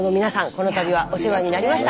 この度はお世話になりました。